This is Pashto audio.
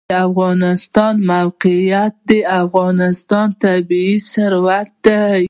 د افغانستان موقعیت د افغانستان طبعي ثروت دی.